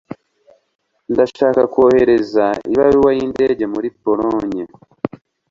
Ndashaka kohereza ibaruwa yindege muri Polonye.